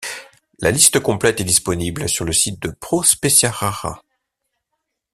La liste complète est disponible sur le site de Pro Specia Rara.